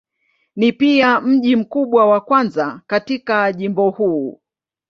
Ni pia mji mkubwa wa kwanza katika jimbo huu.